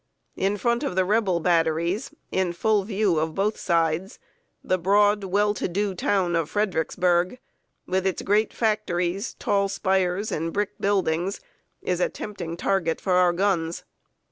In front of the Rebel batteries, in full view of both sides, the broad, well to do town of Fredericksburg, with its great factories, tall spires, and brick buildings, is a tempting target for our guns.